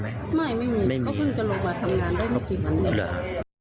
ไม่ไม่มีเขาเพิ่งกระโลกาสทำงานได้ไม่กี่วันหรือ